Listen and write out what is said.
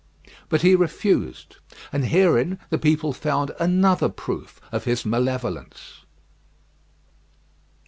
But he refused; and herein the people found another proof of his malevolence.